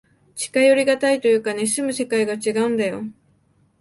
近寄りがたいというかね、住む世界がちがうんだよ。